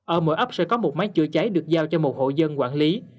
ở mỗi ấp sẽ có một máy chữa cháy được giao cho một hộ dân quản lý